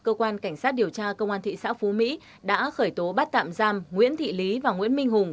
cơ quan cảnh sát điều tra công an thị xã phú mỹ đã khởi tố bắt tạm giam nguyễn thị lý và nguyễn minh hùng